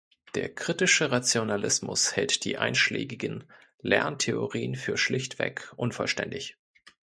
Der kritische Rationalismus hält die einschlägigen Lerntheorien für schlichtweg unvollständig.